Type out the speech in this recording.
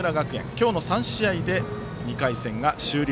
今日の３戦で２回戦が終了。